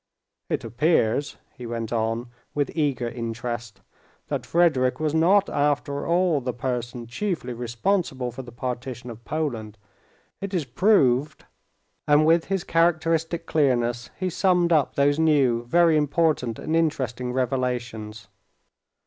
"It appears," he went on, with eager interest, "that Friedrich was not, after all, the person chiefly responsible for the partition of Poland. It is proved...." And with his characteristic clearness, he summed up those new, very important, and interesting revelations.